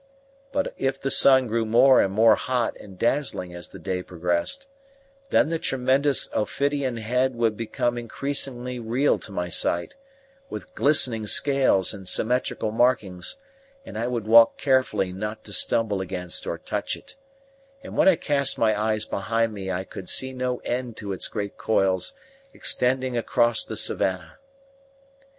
But if the sun grew more and more hot and dazzling as the day progressed, then the tremendous ophidian head would become increasingly real to my sight, with glistening scales and symmetrical markings; and I would walk carefully not to stumble against or touch it; and when I cast my eyes behind me I could see no end to its great coils extending across the savannah.